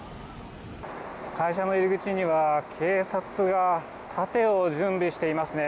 会社の入り口には、警察が盾を準備していますね。